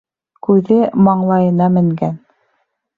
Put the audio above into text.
Күҙе маңлайына менгән.